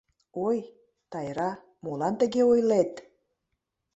— Ой, Тайра, молан тыге ойлет?